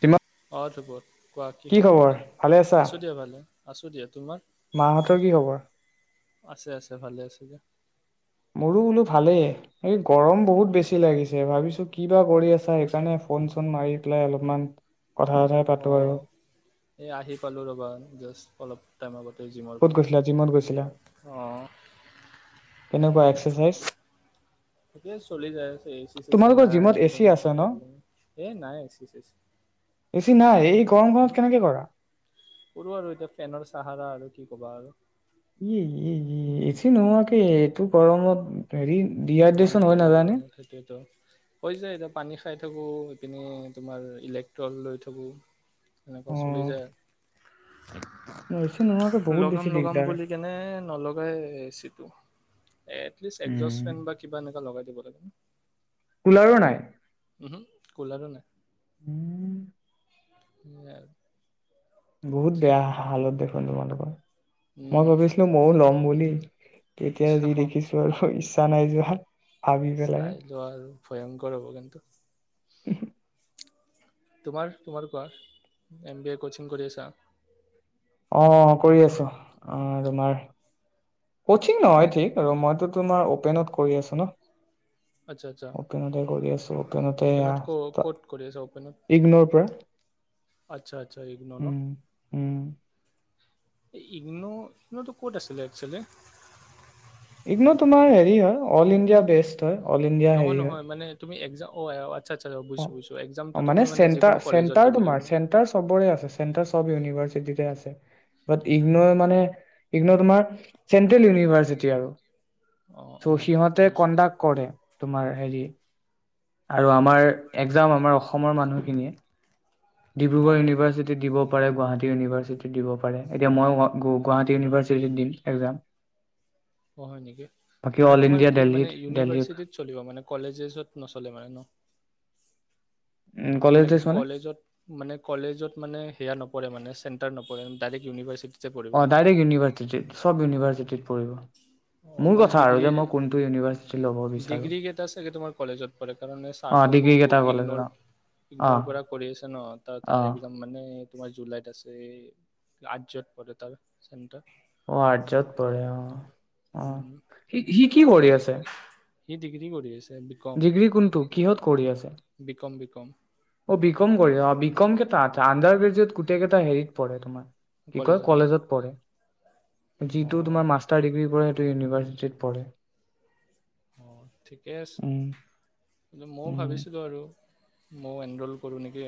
কিমান অঁ বত কোৱা কি খবৰ ভালে আছা আছোঁ দিয়া ভালে আছো দিয়া তোমাৰ মাহঁতৰ কি খবৰ আছে আছে ভালে আছে দিয়া মোৰো বোলো ভালেই এই গৰম বহুত বেছি লাগিছে ভাবিছোঁ কি বা কৰি আছা সেইকাৰণে ফোন চোন মাৰি পেলাই অলপমান কথা কথাই পাতোঁ আৰু এ আহি পালো ৰবা জাষ্ট অলপ টাইম আগত জিমৰ ক'ত পৰা গৈছিলা জিমত গৈছিলা অঁ কেনেকুৱা এক্সাৰচাইজ ঠিকে চলি যায় আছে এচি চ চি তোমালোকৰ নাই জিমত এ চি একদম আছে ন প্ৰব্লেম এই নাই এ চি চ চি বেছি নাই এই গৰমখনত উম কেনেকে কৰা কৰু আৰু এতিয়া ফেনৰ চাহাৰা আৰু কি কি কবা আৰু উম হম এছি নোহোৱাকে এইটো গৰমত হেৰি ইমান ডিহাইড্ৰেচন হয় গেলা নাজানে গৰমত থাকেতো য এতিয়া পানী খাই থাকো লৈ পিননে তোমাৰ ইলেক্ট্ৰল লৈ থ'কো অ তেনেকুৱা চলি যায় আৰু এ চি নোহোৱাকে বহুত লগাম বেছি লগাম দিগদাৰ বুলি কেনে নলগাই এ চি টো এটলিষ্ট উম, এগজাষ্ট বা কিবা এনেকা লগাই দিব [inaudible] কলাৰো নাই উ কোলাৰো নাই উম ন বহুত বেয়া হালত দেখো। ধন্ মোকৰ [unintelligible] মই উম, ভাবিছিলো, ময়ও ল'ম বুলি। তেতিয়া যি অহ, দেখিছো আৰু। নাই যি [unintelligible] চাই লোৱা, আৰু ভয়ংকৰ হ'ব কিন্তু। তোমাৰ তোমাৰ কোৱা এম বি এ কোচিং কৰি আছা? অ কৰি আছো। অ তোমাৰ? কচিং নহয় ঠিক আৰু মইতো। তোমাৰ অপেনত কৰি আছো ন। আচ্ছা আচ্ছা। অপনতে কৰি আছো। সতে এয়া অপেনত ক ক'ত কৰি আছা অপেনত? ইগনৰ পৰা [unintelligible] আচ্ছা আচ্ছা। উম উম। ইগনো ইগ্ন'টো ক'ত আছিলে একচুৱেলি [unintelligible] ইগনো তোমাৰ হেৰি হয় অল ইণ্ডিয়া বেষ্ট [unintelligible] হ হয় অলিণ্ডিয়া [unintelligible] নহয় হেৰিয়ত নহয় মানে তুমি একজাম। আচ্ছা বুজিছোঁ বুজিছোঁ। একজামটো অ তুমি মানে, চেণ্টাৰ যিকোনো কলেজত চেণ্টাৰ দিব তোমাৰ লাগিব। চেণ্টাৰ চবৰে আছে। চব ইউনিভাৰ্চিটিতে আছে, বাট ইগনৰ মানে ইগনৰ তোমাৰ চেন্ট্ৰেল ইউনিভাৰ্চিটি আৰু। অ' ত' অ' সিহঁতে, বুজিছোঁ। কণ্ডাক্ কৰে তোমাৰ। হেৰি আৰু আমাৰ। একজাম আমাৰ অসমৰ মানুহখিনিয়ে। ডিব্ৰুগড় অ'। ইউনিভাৰ্চিটি দিব পাৰে গুৱাহাটী। গুৱাহাটী ইউনিভাৰ্চিটিত দিব পাৰে, এতিয়া মই গুৱাহাটী ইউনিভাৰ্চিটিত দিম একজাম। অ হয় নেকি, মানে তোমাৰ কি দেলহিত মানে দেলহিৰ ইউনিভাৰ্চিটিত চলিব মানে কলেজে ড্ৰেছত নচলে মানে ন? কলেজ মানে ড্ৰেছ কলেজত, মানে কলেজত মানে সেয়া নপৰে মানে, চেণ্টাৰ নপৰে ডাইৰেক্ ইউনিভাৰ্চিটি। অ ডাইৰেক্ট ইউনিভাৰ্চিটিৰ, সব ইউনিভাৰ্চিটিৰ। পৰিব। অ মোৰ মানে কথা আৰু যে ডিগ্ৰীৰ মই কোনটো ইউনিভাৰ্চিটি ল'ব বিচাৰোঁ ডিগ্ৰী কেইটা চাগে তোমাৰ কলেজত পৰে কাৰণ অ ডিগ্ৰী চাৰ্থকো কেইটা কলেজত অ ইগণৰ পৰা কৰি আছে ন অ তাৰ একদম মানে। তোমাৰ জুলাইত আছে আৰ্টচত পৰে তাৰ চেণ্টাৰ অ আৰ্টচত পৰে অ অ উম সি সি কি কৰি আছে? ই ডিগ্ৰী কৰি আছে ডিগ্ৰী কোনটো কিহত কৰি আছে? BCom BCom. অ বিকম কৰি বিকম কেইটা আছে আণ্ডাৰ গ্ৰেজুৱেট গোটেই কেইটা হেৰিত পঢ়ে তোমাৰ কি কয় কলেজত পঢ়ে। অ যিটো তোমাৰ মাষ্টাৰ ডিগ্ৰী কৰে। ইউনিভাৰ্চিটিত পঢ়ে। অ ঠিকে আছে উম মইও উম ভাবিছিলো আৰু মইও এনৰল কৰোঁ নেকি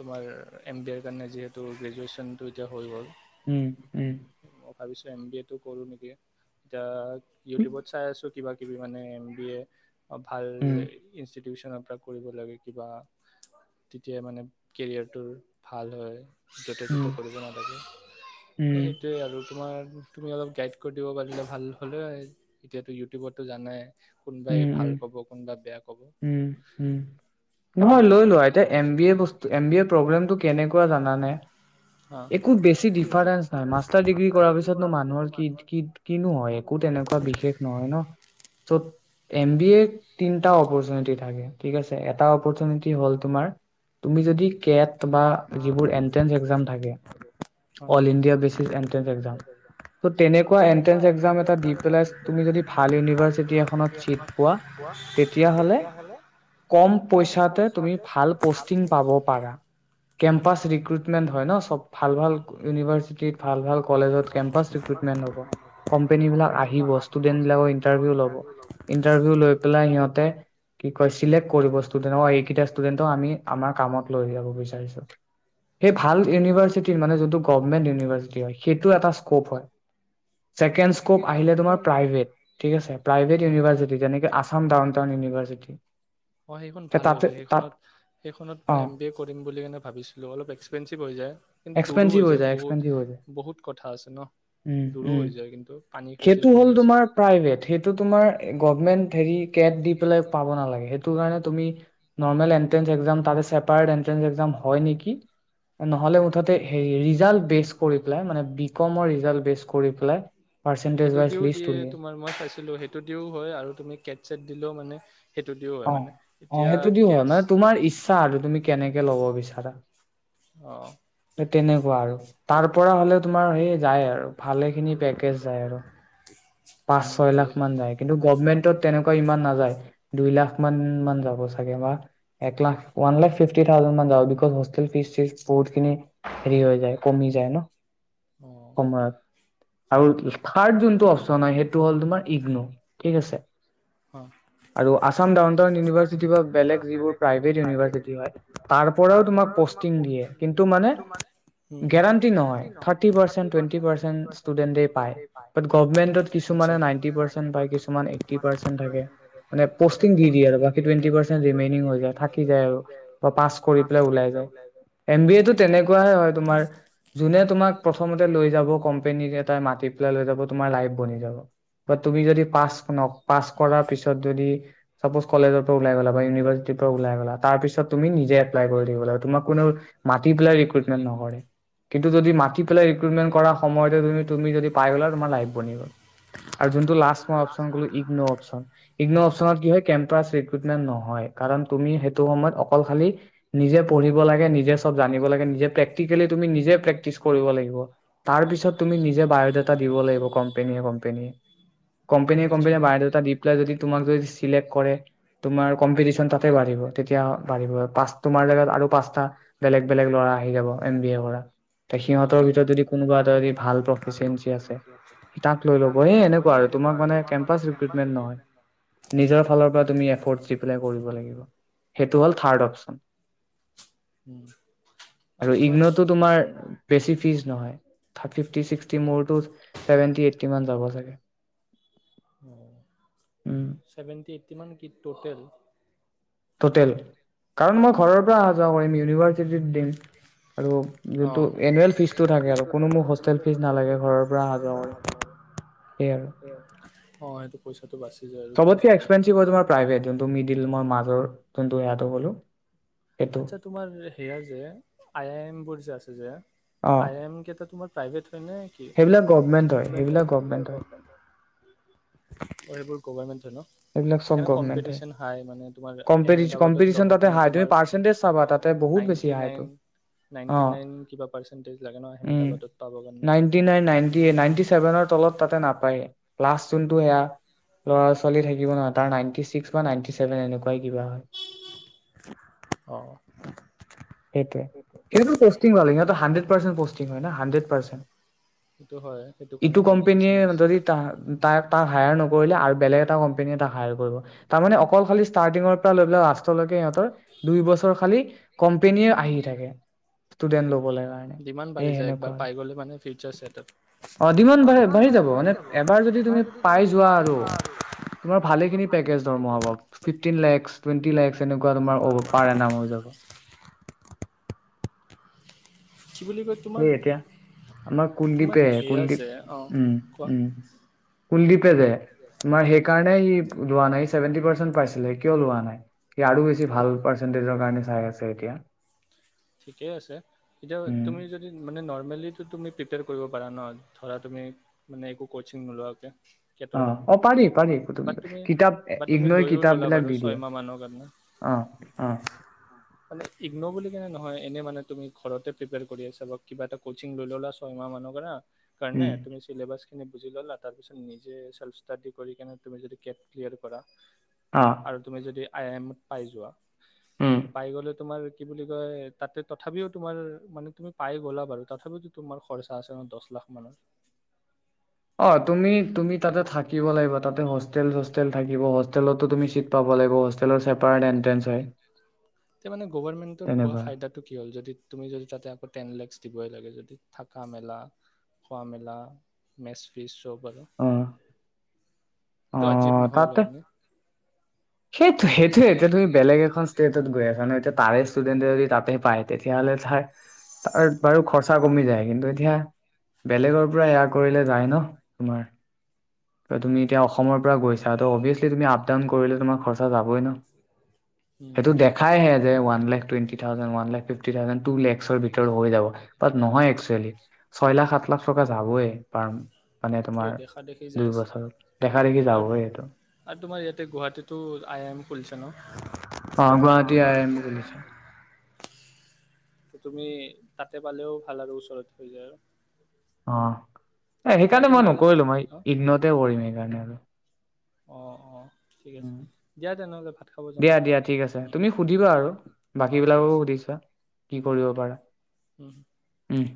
তোমাৰ এম বি এৰ কাৰণে যিহেতু গ্ৰেজুৱেচনটো এতিয়া হৈ গ'ল উম উম মই ভাবিছোঁ এম বি এ তটো কৰো নেকি এতিয়া উম ইউটিউবত কিবা কিবি মানে এম বি এ অ ভাল উম ইনিচটি টিউচনৰ পৰা কৰিব লাগে কিবা তেতিয়া মানে কেৰিয়াৰটোৰ ভাল হয় য'তে ত'তে উম কৰিব নালাগে উম সেইটোৱে আৰু তোমাৰ তুমি অলপ গাইড কৰি দিব পাৰিলে ভাল হ'লে আৰু এতিয়াতো ইউটিউবতো জানাই কোনোবাই উম ভাল উম ক'ব কোনোবাই বেয়া ক'ব উম উম তুমি নহয় লৈ লোৱা এতিয়া এম বি এ বস্তু এম বি এ প্ৰবলেমটো কেনেকুৱা যানানে হা। একো বেছি ডিফাৰেন্ঞ্চ নাই মাষ্টাৰ ডিগ্ৰী কৰাৰ পাছত নো মানুহৰ কি কি কিনো হয় একো তেনেকুৱা বিশেষ নহয় ন চ' এম বি এৰ তিনিটা অপচ থিক আছে অপাচেনৰিটী হল তোমাৰ বা যিবোৰ এন্ট্ৰেন্স এক্সাম থাকে all India basis entrance exam ত' তেনেকুৱা এনট্ৰেন্স এক্জাম এটা দি পেলাই তুমি যদি ভাল ইউনিভাৰ্চিটি এখনত চিট পোৱা তেতিয়াহ'লে কম পইচাতে তুমি ভাল পষ্টিং পাব পাৰা কেম্পাছ ৰিক্ৰুইটমেণ্ট হয় ন চব ভাল ভাল ইউনিভাৰ্চিটিত ভাল ভাল কলেজত ভাল কেমপাছ ৰিকুইটম হব কমপেনী বিলাক আহিব কোম্পেনীবিলাক ইচতোডেন বিলাকৰ ষ্টুডেণ্টবিলাকৰ ইনটাৰভিউ লব। ইণ্টাৰভিউ ইনটাৰভিউ লয় পালে সিহঁতে কি কইছিলে এই কেইটা ষ্টুডেণ্টক আমি আমাৰ কামত লয় যাম লৈ যাব বিচাৰিছো। সেই ভাল ইউনিভাৰ্চিটি মানে যিটো গোৱমেণ্ট ইউনিভাৰ্চিটি সেইটো এটা ইচকোপ হয়। ছেকেণ্ড খুব আহিলে তোমাৰ প্ৰাইভেট হয়। University Assam down town university অঁ সেইখন ভাল হয় তাতে তাত সেইখনত সেইখনত অ মই এম বি এ কৰিম বুলি কেনে ভাবিছিলোঁ অলপ এক্সপেঞ্চিভ হৈ যায় কিন্তু দূৰো এক্সপেঞ্চিভ হৈ যায় বহুত এক্সপেঞ্চিভ হৈ যায় বহুত কথা আছে ন উম দূৰো উম হৈ যায় কিন্তু পানীৰ খেতি সেইটো পিনি হ'ল আছো তোমাৰ ধৰি কেট দি পেলাই সেইটো কাৰণে তুমি নৰমেল একটেনচ একজাম চেপাৰ একটেনচ একজাম হয় নেকি নহলে মুঠতে ৰিজাল্ট বেচট কৰি পেলাই মানে বি কম অ ৰিজাল্ট বেষ্ট কৰি পেলাই। পাৰ্চেন্টেজ সেইটো ৱাইজ দিও দিয়ে লিষ্ট উলিয়াই তোমাৰ মই চাইছিলো সেইটো দিও হয় আৰু তুমি কেট চট দিলেও মানে। সেইটো দিও হয় অ মানে অ এতিয়া সেইটো দি হয় কেটছ মানে তোমাৰ ইচ্ছা আৰু তুমি কেনেকে লব বিচাৰা অ তেনেকুৱা আৰু তাৰ পৰা হলে তোমাৰ সেই যায় আৰু। ভালে খিনি পেকেজ যায় আৰু। উম, পাঁচ ছয় লাখ ভালেখিনি মান যায় কিন্তু। কমেণ্ট ত তেনেকুৱা সিমান নাযায়। দুই লাখ মান মান যাব চাগে ন এক lakh one lakh fifty thousand মান যাব গোটেই বস্তু খিনি কিষ্ট চিষ্ট কৌৰ্ত। হেৰি হৈ যায় কমি যায় ন অ', সময়ত। আৰু ইচখাট যোনটো যোনটো জনাই সেইটো হ'ল তোমাৰ ইগ্নো ঠিক আছে। অ'। আৰু আছাম ডাউন টাউন ইউনিভাৰ্চিটি বা বেলেগ যিবোৰ প্ৰাইভেট ইউনিভাৰ্চিটি হয় তাৰ পৰাও তোমাক পষ্টিং দিয়ে কিন্তু মানে গেৰাণ্টি নহয় থাৰ্টি পাৰ্চেন্ট টুৱেণ্টি পাৰ্চেন্ট ষ্টুডেণ্টেই পায় বাট গভমেন্টত। কিছুমানে আচ্ছা। নাইণ্টি মানে নাইনটি পাৰ্চেন্ত পাই পাৰ্চেণ্ট কিছুমান পায় এইটি এইটটি পাৰ্চেণ্ট থাকে। মানে পষ্টিং দি দিয়ে। টুৱেন্টি পাৰ্চেন্ত ৰিমেনিং হৈ যায় থাকি যায় আৰু পাছ কৰি পেলাই ওলাই যায়। এম বিএ টো তেনেকুৱ হয় তোমাৰ তোমাক প্ৰথমতে লৈ যাব। কম্পনীৰ এ এটা মাটি পেলাই লৈ যাব তোমাৰ লাইফ বনি বা তুমি যদি পাঁচখনক। পাছ কৰাৰ পিছত যদি চাপ'জ কলেজৰ পৰা ওলাই গলা বা ইউনিভাৰ্চিটিৰ পৰা ওলাই গলা তাৰ পিছত। তুমি নিজে এপ্লাই কৰি থাকিব লাগিব তোমাক কোনেওঁ মাটি পেলায় ৰিকুৱেট নে নহৰে কিন্তু যদি মাতি পেলাই ৰিকুৱেষ্ট কৰা সময়তে তুমি যদি পাই গলা তোমাৰ লাইফ বনি গ'ল। আৰু যোনটো লাষ্ট মই অপশ্যন কলো ইগনো অপশ্যন ইগনো অপশ্যন কি হয় কে তাৰ চিত ৰেকুদ্মেন্ত নহয়। কাৰণ আমি সেইটো সময়ত অকল খালি পঢ়িব লাগে, নিজে চবজানিব লাগে, নিজে পেক্টিকেলি তুমি নিজে প্ৰেক্টিচ কৰিব লাগিব। তাৰ পিছত তুমি নিজে বা উ দাতা দিব লাগিব কম্পেনী কম্প্ পেনি কম্পনীয়ে আচ্ছা কোম্পেীয়ে বাইঅ দাতা দি পেলাই যদি তোমক যদি সিলেক্টেড কৰে তোমাৰ কম্পিটিচন তাতে বাঢ়িব তেতিয়া বাঢ়িব ফাৰ্ষ্ট তোমাৰ আৰু পাঁচটা বেলগ বেলেগ লৰা আহি যাব এম বিএ পৰা অ'। সিহঁতৰ ভিতৰত যদি কোনোবা এটা ৰি ভাল প্ৰফিচিয়েঞ্চি আছে তাক লইলব লৈ ল'ব এএনেকুৱা সেই আৰু তোমাক এনেকুৱা মানে কেম্পাচ কেম্পাছ ৰিকুদ্মেন্ত নহয, ৰিক্ৰুটমেণ্ট নহয়। নিজে ফালৰ পৰা তুমি এফৰ্ড আচ্ছা চি পেলাই কৰিব লাগিব। সেইটো হ'ল থাৰ্ড অপচন। উম আৰু ইগ্নটো তোমাৰ বেছি ফিজ নহয় থাৰ্টি ফিফটি ছিক্সটি মোৰতো। Seventy eight. কিমান যাব লাগে। ছেভেণ্টি এইট টি মান কি টো হ'ল। টটেল কাৰণ মই ঘৰৰ পৰা অহা যোৱা কৰিম ইউনিভাৰ্চিটিত দিম। আৰু অ'। যোনটো এনুৱেল ফীজটো থাকে আৰু কোনো মোক হোষ্টেল ফীজ নালাগে ঘৰৰ পৰা আহা যোৱা কৰিম। সেয়াই আৰু অ সেইটো পইচাটো বাচি যায় আৰু তোমাৰ। এ যোনটো মিদিল মই মাজৰ যোনটো ইয়াতো গলোঁ। আচ্ছা তোমাৰ সেয়া যে আই আই এম বোৰ যে আছে যে। অ আই আই এম কে তাৰ প্ৰায়ভে। হয় নে কি সেইবিলাক গভমেণ্ট হয় কিমান টা গভমেণ্ট সেইবিলাক হয় গৰ্ভামেণ্ট অ সেইবোৰ গভৰ্ণমেণ্ট ন। সেইবিলাক চব সেইকাৰণে গভমেণ্ট হয় কম্পিটিশন হাই মানে তোমাৰ আহমেদাবাদত ল'ব কাৰণে তোমাৰ। পাবা তাতে বহুত বেছি নাইনটি হাই টো নাইন অ নাইনটি নাইন কিবা পাৰ্চেণ্টেজ লাগে ন উম আহমেদাবাদত পাবৰ কাৰণে। নাইন্টি নাইন নাইন্টি এ চেভেনত। তলত তাতে নাপায়ে লাষ্ট জোনটো সেইয়া লাছ। চলি থাকিব নহয় তাৰ নাইণ্টী ছিক্স বা নাইণ্টী ছেভেন এনেকুৱাই কিবা হয়। অ। সেইটোৱে সেইটো। সিহটো পষ্টিং লাগে সিহঁত হানড্ৰেড পৰ্চন্টিং হয় ন হানড্ৰেড পাৰ্চেণ্ট। সেইটো হয় সেইটো ইটোু কাৰণে কোম্পোনীয়ে কম্পিটিচন বেছি যদি ত তাক। তাত হায়াৰ নকৰিলে আৰু বেলেগ। এটা কোম্পানী এ তাক হায়াৰ কৰিব তাৰমানে অকল খালি ষ্টাৰ্টিংৰ পৰা লৈ পেলাই লাষ্টলৈকে ইহঁতৰ দুই বছৰ খালি কোম্পানী এ আহি থাকে ষ্টুডেন্ট লবলে। ডিমাণ্ড বাঢ়িযায় একবাৰ পাই গ'লে মানে ফিউচাৰ ছেট আৰু অ ডিমাণ্ড বাঢ়ে বাঢ়ি যায় এবাৰ যদি তুমি পায় যোৱা আৰু। তোমাৰ ভালেখিনি পেকেজ দৰমহা হ'ব ফিফটিন লাখছ। টুৱেন্টি লাখছ। তেনেকুৱা তোমাৰ ব পাৰে নাও হৈ যাব। কি বুলি কয় তোমাৰ সেই এতিয়া আমাৰ তোমাৰ কুলদ্বীপে সেয়া কুলদ্বীপ যে অ উম কোৱা উম। কুলদ্বীপ। যে মই অ সেই কাৰণে সি। লোৱা নাই চেভেণ্টি পাৰ্চেন্ত পাইছিলে। কিয় লোৱা নাই সি আৰু বেছি ভাল পাৰ্চেন্টেজৰ কাৰণে চাই আছে এতিয়া। ঠিকেই আছে এতিয়া উম তুমি যদি। মানে নৰ্মেলি তুমি প্ৰিপেয়ৰ কৰিব পাৰা ন ধৰা তুমি মানে একো কচিং নোলোৱাকে। কেটৰ অহ কাৰণে অ পাৰি পাৰি বাট তুমি কিতাপ বা তুমি ইগনৰ লৈও কিতাপ ল'লা বিলাক বাৰু দি দিয়ে ছয়মাহ মানৰ কাৰণে অহ অহ। মানে ইগন' বুলি কেনে নহয় এনে মানে তুমি ঘৰতে প্ৰিপেয়ৰ কৰি আছা বা কিবা এটা কচিং লৈ ল'লা ছয়মাহ মানৰ কাৰণে। কাৰনে উম তুমি ছিলেবাছ খিনি বুজি ল'লা তাৰপিছত নিজে চেলফ ষ্টাডি কৰি কিনে তুমি যদি কেট ক্লিয়াৰ কৰা অ আৰু তুমি যদি আই আই এমত পাই যোৱা উম পাই গ'লে তোমাৰ কি বুলি তাতে তথাপিও তোমাৰ মানে তুমি পাই গ'লা বাৰু তথাপিতো তোমাৰ খৰচা আছে ন দছ লাখ মানৰ অ তুমি তুমি তাতে থাকিব লাগিব তাতে হোষ্টেল চোষ্টেল থাকিব হোষ্টেলতো তুমি চিট পাব লাগিব েল চছেপাৰেট [inaudible] এণ্ট্ৰেন্ঞ্চ হয় মানে গৱৰ্ণমেণ্টৰ হোৱা তেনেকুৱা ফাইদাটো কি হ'ল যদি তুমি যদি তুমি তাতে আকৌ টেন লেকচ দিবই লাগে যদি থাকা মেলা খোৱা মেলা মেচ ফিচ যৰপৰা অ অ তাতে সেইটো সেইটোয়ে এতিয়া তুমি বেলেগ এখন ষ্টেটত গৈ আছা এতিয়া তাৰে ষ্টুডেণ্টে যদি তাতে পায় তেতিয়াহ'লে তাৰ তাৰ বাৰু খৰচা কমি যায় কিন্তু এতিয়া বেলেগৰ পৰা এয়া কৰিলে যায় ন তোমাৰ ত তুমি এতিয়া অ অসমৰ পৰা গৈছা ত' অবিয়েচলি তুমি আপ ডাউন কৰিলে তোমাৰ খৰচা যাবই ন উম সেইটো দেখাইহে one lakh twenty thousand one lakh fifty thousand two lakh চ ৰ ভিতৰত হৈ যাব বাট নহয় একচুৱেলি ছয় লাখ সাত লাখ টকা যাবই পাৰ মানে তোমাৰ এইটোৱে দেখা দেখি যাই দুই আছে বছৰ দেখা দেখি যাব এইটো ত গুৱাহাটীতটো আই আই এম খুলিছে ন অ গুৱাহাটী আই আই এম খুলিছে ত তুমি তাতে পালেও ভাল আৰু ওচৰত হৈ যায় আৰু অ এ দিয়া সেইকাৰণে মই তেনেহ'লে নকৰিলো মই অ ইগনতে কৰিম ান আৰু [inaudible] অ অ ঠিক আছে উম দিয়া তেনেহ'লে ভাত খাব যাম দিয়া উম দিয়া ঠিক আছে উম তুমি সুধিবা আৰু অ বাকী ঠিক বিলাককো আছে সুধি ছোৱা কি অ অ কৰিব পাৰা উম। উম